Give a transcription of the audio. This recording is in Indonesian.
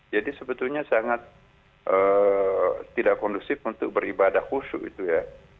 jadi sebetulnya sangat tidak kondusif untuk beribadah khusus itu ya